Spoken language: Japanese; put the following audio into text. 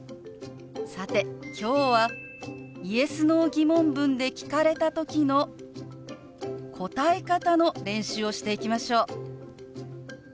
さて今日はＹｅｓ／Ｎｏー疑問文で聞かれた時の答え方の練習をしていきましょう。